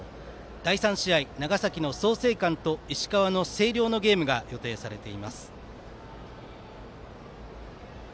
第３試合、長崎の創成館と石川の星稜のゲームが予定されています。